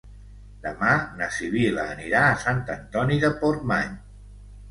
Demà na Sibil·la anirà a Sant Antoni de Portmany.